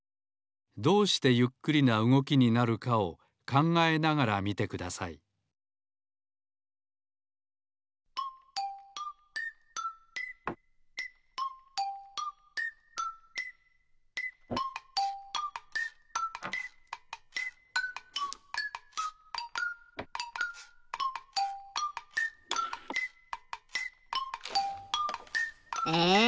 どうしてゆっくりなうごきになるかを考えながら見てくださいえ